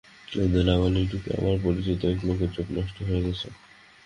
এই ধুলাবালি ঢুকে আমার পরিচিত এক লোকের চোখ নষ্ট হয়ে গেছে।